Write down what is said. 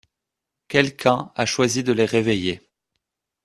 Quelqu'un a choisi de les réveiller...